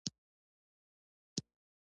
ترکاري د سترخوان ښايست دی